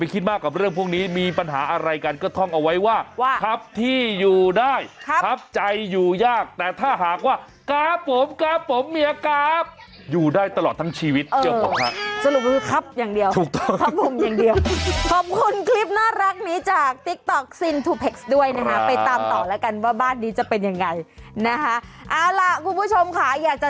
เออเรื่องในบ้านนี่แหละเรื่องของน้อย